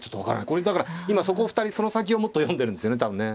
これだから今そこを２人その先をもっと読んでるんですよね多分ね。